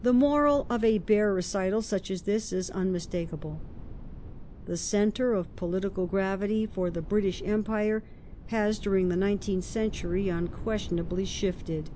The moral of a bare recital such as this is unmistakable. The ^ centre of political gravity for the British Empire has during the nineteenth century unquestionably shifted.